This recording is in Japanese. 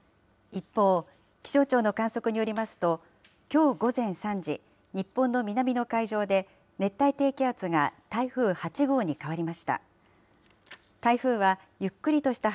一方、気象庁の観測によりますと、きょう午前３時、日本の南の海上で熱帯低気圧が台風８号に変わりました。